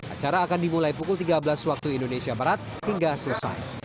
acara akan dimulai pukul tiga belas waktu indonesia barat hingga selesai